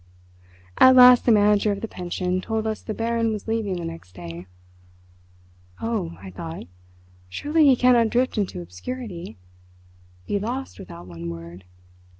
At last the manager of the pension told us the Baron was leaving the next day. "Oh," I thought, "surely he cannot drift into obscurity—be lost without one word!